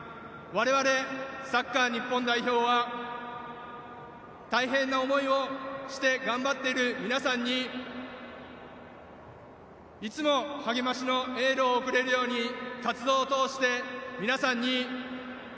我々、サッカー日本代表は大変な思いをして頑張っている皆さんに、いつも励ましのエールを送れるように